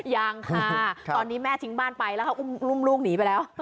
ยังค่ะตอนนี้แม่ทิ้งบ้านไปแล้วเขาอุ้มลูกหนีไปแล้ว